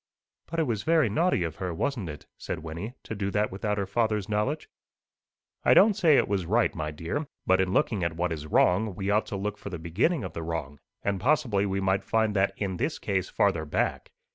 '" "But it was very naughty of her, wasn't it," said Wynnie, "to do that without her father's knowledge?" "I don't say it was right, my dear. But in looking at what is wrong, we ought to look for the beginning of the wrong; and possibly we might find that in this case farther back.